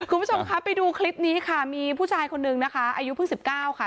คุณผู้ชมครับไปดูคลิปนี้ค่ะมีผู้ชายคนนึงนะคะอายุเพิ่ง๑๙ค่ะ